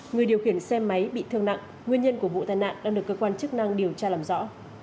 người điều khiển xe máy bị thương nặng nguyên nhân của vụ tai nạn đang được cơ quan chức năng điều tra làm rõ